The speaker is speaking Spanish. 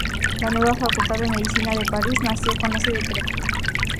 La nueva Facultad de Medicina de París nació con ese decreto.